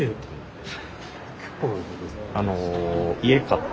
結構。